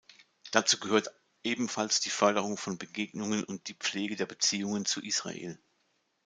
Dazu gehört ebenfalls die Förderung von Begegnungen und die Pflege der Beziehungen zu Israel.